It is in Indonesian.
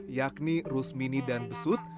yakni rusmini dan besut